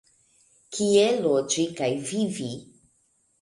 Kie loĝi kaj vivi?